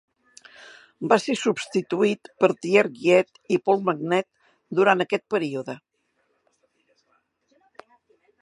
Va ser substituït per Thierry Giet i Paul Magnette durant aquest període.